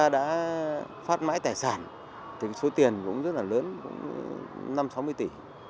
đã phát mãi tài sản thì số tiền cũng rất là lớn cũng năm sáu mươi tỷ